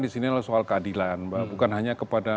disini soal keadilan bukan hanya kepada